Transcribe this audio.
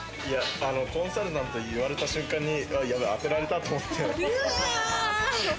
コンサルタントって言われた瞬間にやばい当てられたと思って。